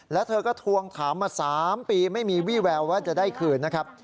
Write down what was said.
แล้วเธอก็ทวงถามมา๓ปีไม่มีวี่แววว่าจะได้คืนนะครับ